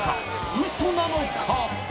ウソなのか？